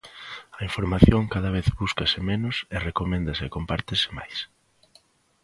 A información cada vez búscase menos e recoméndase e compártese máis.